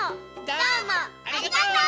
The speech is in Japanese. どうもありがとう！